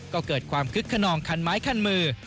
ก็เกิดความคึกขนองคันไม้คันมือ